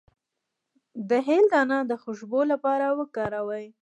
د هل دانه د خوشبو لپاره وکاروئ